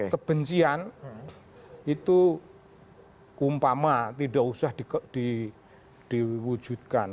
kebencian itu umpama tidak usah diwujudkan